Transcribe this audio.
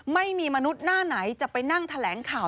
ไม่มีมนุษย์หน้าไหนจะไปนั่งแถลงข่าว